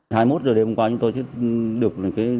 hai mươi một giờ đêm hôm qua chúng tôi chứ được cái